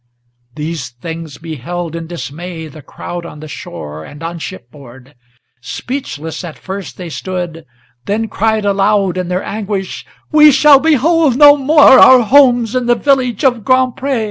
These things beheld in dismay the crowd on the shore and on shipboard. Speechless at first they stood, then cried aloud in their anguish, "We shall behold no more our homes in the village of Grand Pré!"